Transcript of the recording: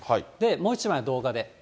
もう１枚、動画で。